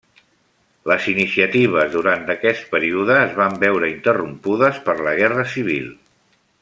Les iniciatives durant aquest període es van veure interrompudes per la Guerra Civil.